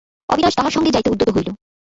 অবিনাশ তাহার সঙ্গে যাইতে উদ্যত হইল।